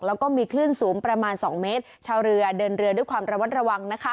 แล้วก็มีคลื่นสูงประมาณ๒เมตรชาวเรือเดินเรือด้วยความระมัดระวังนะคะ